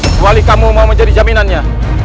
kecuali kamu mau menjadi jaminannya